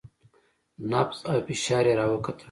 نبض او فشار يې راوکتل.